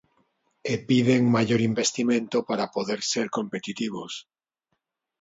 E piden maior investimento para poder ser competitivos.